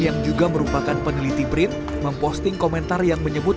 yang juga merupakan peneliti brin memposting komentar yang menyebut